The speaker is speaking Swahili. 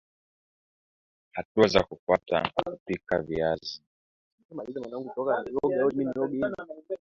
Hatua za kufuata kupika viazi vya karanga